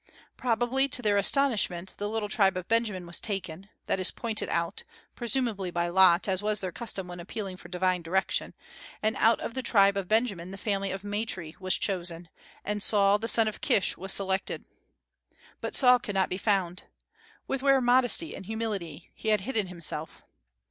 Probably to their astonishment the little tribe of Benjamin was "taken," that is pointed out, presumably by lot, as was their custom when appealing for divine direction; and out of the tribe of Benjamin the family of Matri was chosen, and Saul the son of Kish was selected. But Saul could not be found. With rare modesty and humility he had hidden himself.